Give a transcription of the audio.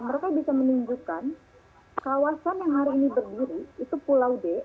mereka bisa menunjukkan kawasan yang hari ini berdiri itu pulau d